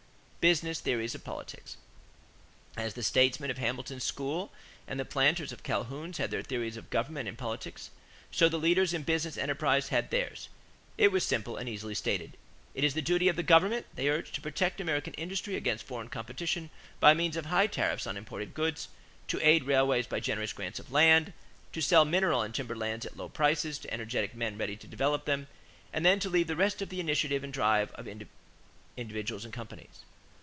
=Business Theories of Politics.= As the statesmen of Hamilton's school and the planters of Calhoun's had their theories of government and politics, so the leaders in business enterprise had theirs. It was simple and easily stated. "It is the duty of the government," they urged, "to protect American industry against foreign competition by means of high tariffs on imported goods, to aid railways by generous grants of land, to sell mineral and timber lands at low prices to energetic men ready to develop them, and then to leave the rest to the initiative and drive of individuals and companies."